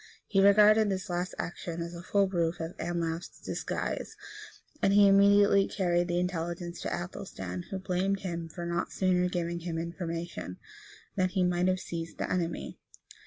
He regarded this last action as a full proof of Anlaf's disguise; and he immediately carried the intelligence to Athelstan, who blamed him for not sooner giving him information, that he might have seized his enemy.